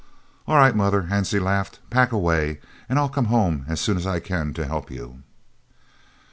"All right, mother," Hansie laughed; "pack away, and I'll come home as soon as I can to help you."